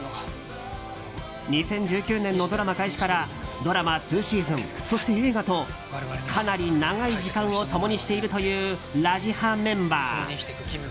２０１９年のドラマ開始からドラマ２シーズンそして映画と、かなり長い時間を共にしているという「ラジハ」メンバー。